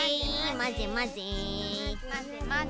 まぜまぜ。